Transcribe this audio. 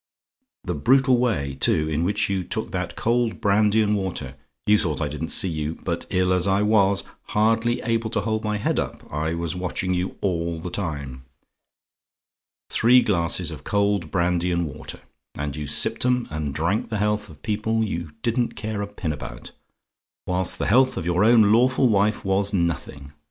The brutal way, too, in which you took that cold brandy and water you thought I didn't see you; but ill as I was, hardly able to hold my head up, I was watching you all the time. Three glasses of cold brandy and water; and you sipped 'em, and drank the health of people who you didn't care a pin about; whilst the health of your own lawful wife was nothing.